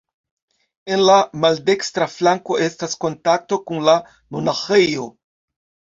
En la maldekstra flanko estas kontakto kun la monaĥejo.